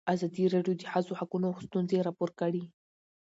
ازادي راډیو د د ښځو حقونه ستونزې راپور کړي.